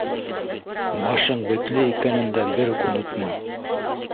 Башың бетле икәнен дә берүк онотма!